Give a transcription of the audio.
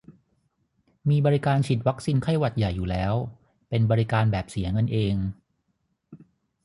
มีบริการฉีดวัคซีนไข้หวัดใหญ่อยู่แล้ว เป็นบริการแบบเสียเงินเอง